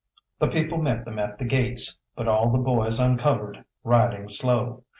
The people met them at the gates, but all the boys uncovered, riding slow.